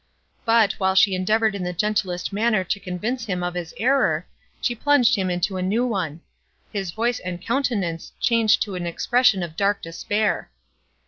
But, while she endeavoured in the gentlest manner to convince him of his error, she plunged him into a new one. His voice and countenance changed to an expression of dark despair.